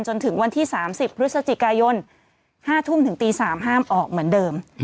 จนถึงวันที่๓๐พฤศจิกายน๕ทุ่มถึงตี๓ห้ามออกเหมือนเดิม